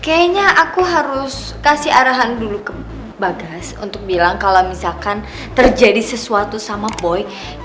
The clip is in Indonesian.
kayaknya aku harus kasih arahan dulu ke bagas untuk bilang kalau misalkan terjadi sesuatu sama boy